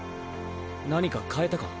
何か変えたか？